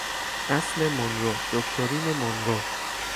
اصل مونرو، دکترین مونرو